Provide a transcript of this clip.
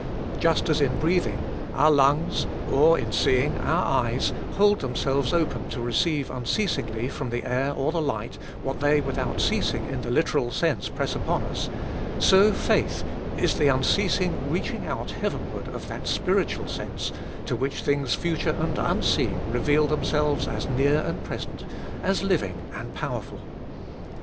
Just as in breathing, our lungs, or in seeing, our eyes, hold themselves open to receive unceasingly, from the air or the light, what they without ceasing in the literal sense press upon us, so faith is the unceasing reaching out heavenward of that spiritual sense to which things future and unseen reveal themselves as near and present, as living and powerful.